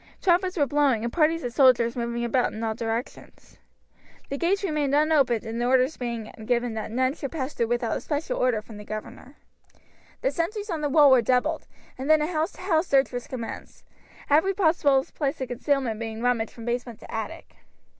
Trumpets were blowing, and parties of soldiers moving about in all directions. The gates remained unopened, orders being given that none should pass through without a special order from the governor. The sentries on the wall were doubled, and then a house to house search was commenced, every possible place of concealment being rummaged from basement to attic.